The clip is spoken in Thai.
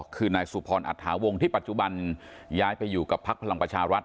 คือนายสุพรอัฐาวงที่ปัจจุบันย้ายไปอยู่กับพักพลังประชารัฐ